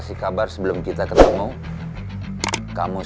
lu harus teach dan maki fasilitas kamu